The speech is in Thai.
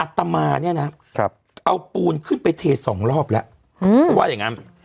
อัตมาเนี่ยนะครับเอาปูนขึ้นไปเทส๒รอบแล้วเพราะว่าอย่างงั้น